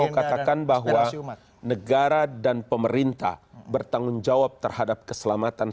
mau katakan bahwa negara dan pemerintah bertanggung jawab terhadap keselamatan